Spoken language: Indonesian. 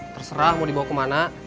terserah mau dibawa ke mana